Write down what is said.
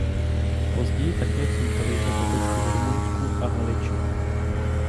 Později také vznikaly jeho pobočky v Rumunsku a Haliči.